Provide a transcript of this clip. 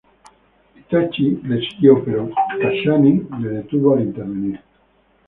Itachi la siguió, pero Kakashi le detuvo al intervenir.